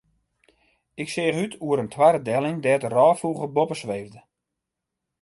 Ik seach út oer in toarre delling dêr't in rôffûgel boppe sweefde.